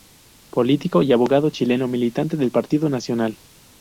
Político y abogado chileno, militante del Partido Nacional.